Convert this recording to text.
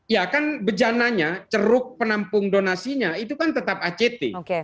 ya kan bejananya ceruk penampung donasinya itu kan tetap act